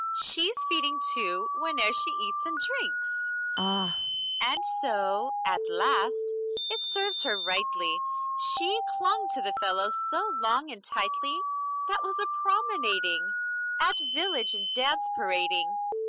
She's feeding two, whene'er she eats and drinks. MARGARET Ah! LISBETH And so, at last, it serves her rightly. She clung to the fellow so long and tightly! That was a promenading! At village and dance parading!